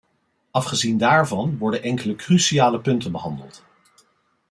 Afgezien daarvan worden enkele cruciale punten behandeld.